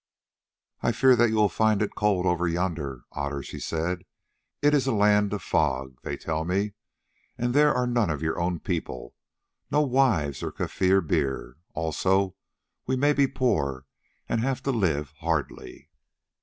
"I fear that you will find it cold over yonder, Otter," she said. "It is a land of fog, they tell me, and there are none of your own people, no wives or Kaffir beer. Also, we may be poor and have to live hardly."